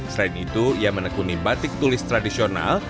selain itu ia menekuni batik tulis tradisional